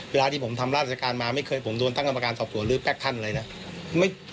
เวลาที่ผมทำราชการมาไม่เคยผมโดนตั้งกรรมการสอบสวนหรือแป๊คันอะไรนะ